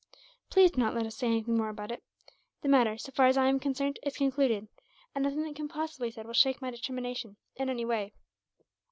"Please do not let us say anything more about it. The matter, so far as I am concerned, is concluded; and nothing that can possibly be said will shake my determination, in any way."